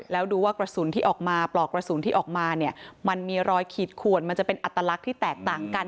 แล้วดูว่ากระสุนที่ออกมาปลอกกระสุนที่ออกมาเนี่ยมันมีรอยขีดขวนมันจะเป็นอัตลักษณ์ที่แตกต่างกัน